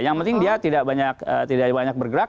yang penting dia tidak banyak bergerak